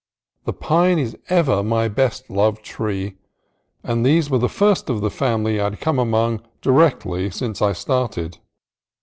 The pine is ever my best loved tree, and these were the first of the family that I had come among directly since I started.